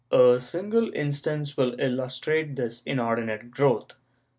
A single instance will illustrate this inordinate grow^th.